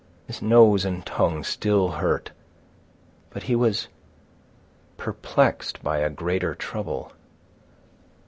His nose and tongue still hurt, but he was perplexed by a greater trouble.